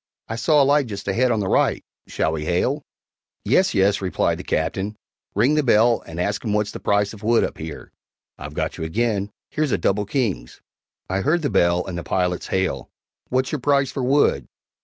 I saw a light just ahead on the right shall we hail?" "Yes, yes," replied the Captain; "ring the bell and ask 'em what's the price of wood up here, (I've got you again; here's double kings.)" I heard the bell and the pilot's hail, "What's' your price for wood?"